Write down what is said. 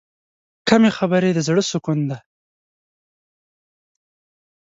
کمې خبرې، د زړه سکون دی.